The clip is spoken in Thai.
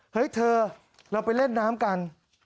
เฮ้ยเธอเราไปเล่นน้ำกัน